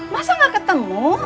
masa gak ketemu